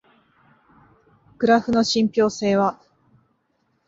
グラフの信憑性は？